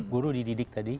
guru dididik tadi